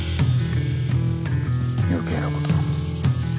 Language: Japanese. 余計なことを。